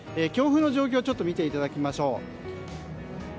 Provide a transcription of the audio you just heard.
強風の状況を見ていただきましょう。